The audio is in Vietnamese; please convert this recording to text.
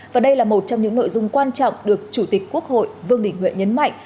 và đây là một trong những nội dung quan trọng được chủ tịch quốc hội vương đình huệ nhấn mạnh